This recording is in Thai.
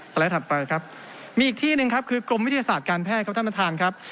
ไลด์ถัดไปครับมีอีกที่หนึ่งครับคือกรมวิทยาศาสตร์การแพทย์ครับท่านประธานครับ